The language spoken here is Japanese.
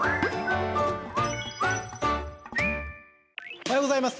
おはようございます。